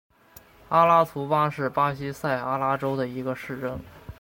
阿拉图巴是巴西塞阿拉州的一个市镇。